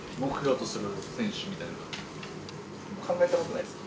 考えたことないっす。